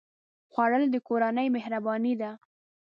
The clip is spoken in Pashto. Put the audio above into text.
خوړل د کورنۍ مهرباني ده